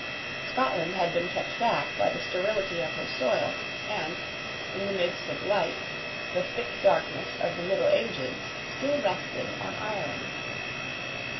Scotland had been kept back by the sterility of her soil; and, in the midst of light, the thick darkness of the middle ages still rested on Ireland.